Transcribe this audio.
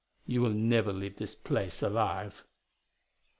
You will never leave this place alive!"